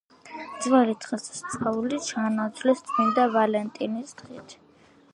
ძველი დღესასწაული ჩაანაცვლეს წმინდა ვალენტინის დღით.